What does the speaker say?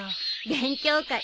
勉強会